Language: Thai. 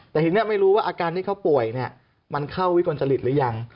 แต่ทีนี้ไม่รู้ว่าอาการที่เขาป่วยมันเข้าวิกลจริตหรือยัง